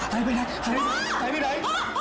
หายไปไหนหายไปไหน